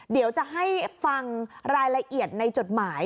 เดี๋ยวจะให้ฟังรายละเอียดในจดหมาย